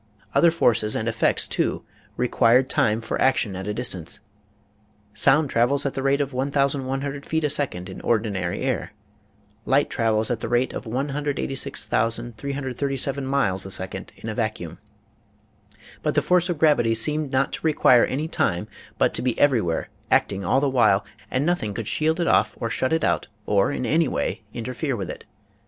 Other forces and effects too required time for action at a distance. Sound travels at the rate of i,ioo feet a second in ordinary air. Light travels at the rate of 186,337 miles a second in a vacuum. But the force of gravity seemed not to require any time but to be every where, acting all the while, and nothing could shield it off or shut it out or in any way interfere with it.